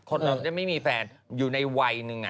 คนเราจะไม่มีแฟนอยู่ในวัยหนึ่งน่ะ